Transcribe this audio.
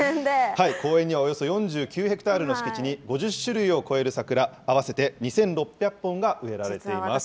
公園にはおよそ４９ヘクタールの敷地に５０種類を超える桜、合わせて２６００本が植えられています。